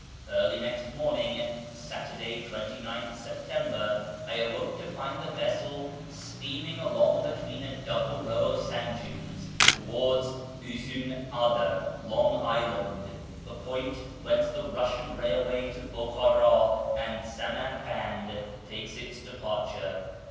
Early next morning (Saturday, 29 th September) I awoke to find the vessel steaming along between a double row of sand dunes towards Uzlin Ada (" Long Island "), the point whence the Eussian railway to Bukhara and Samarkand takes its departure.